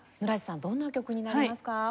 村治さんどんな曲になりますか？